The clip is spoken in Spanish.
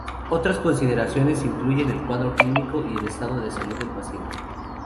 Otras consideraciones incluyen el cuadro clínico y el estado de salud del paciente.